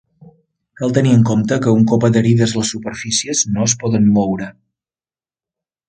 Cal tenir molt en compte que, un cop adherides, les superfícies no es poden moure.